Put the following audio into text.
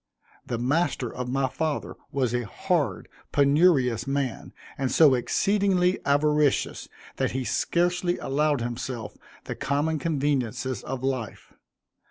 The master of my father was a hard, penurious man, and so exceedingly avaricious, that he scarcely allowed himself the common conveniences of life.